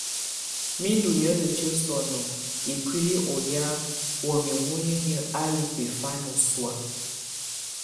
Mɛ̀ ndù niǝ́lǝtiǝ́ sɔ̀nɔ̀ ikuili ɔ ya wamɛ̀á munyinyǝ á lù ɔbɛfana sɔ̀á.